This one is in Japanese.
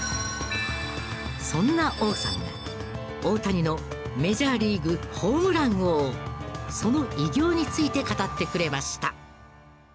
そんな王さんが大谷のメジャーリーグホームラン王その偉業について語ってくれました。